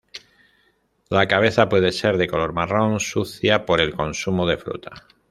La cabeza puede ser de color marrón, sucia por el consumo de fruta.